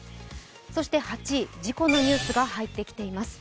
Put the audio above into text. そして８位、事故のニュースが入ってきています。